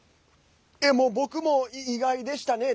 僕も意外でしたね。